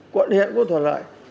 quân huyện cũng thuận lợi